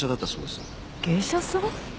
芸者さん？